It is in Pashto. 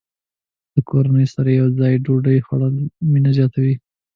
د کورنۍ سره یوځای ډوډۍ خوړل مینه زیاته وي.